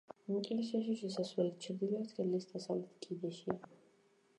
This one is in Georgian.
ეკლესიაში შესასვლელი ჩრდილოეთ კედლის დასავლეთ კიდეშია.